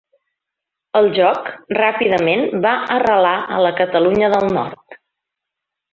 El joc ràpidament va arrelar a la Catalunya del Nord.